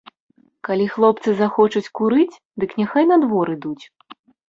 Калі хлопцы захочуць курыць, дык няхай на двор ідуць.